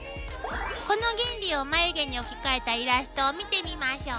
この原理を眉毛に置き換えたイラストを見てみましょう。